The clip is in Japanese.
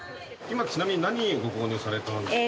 今ちなみに何をご購入されたんですか？